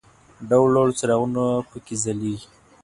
ډول ډول څراغونه په کې ځلېږي.